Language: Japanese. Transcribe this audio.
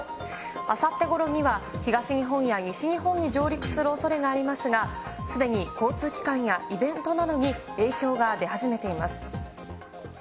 あさってごろには、東日本や西日本に上陸するおそれがありますが、すでに交通機関やイベントなどに影響が出始めています。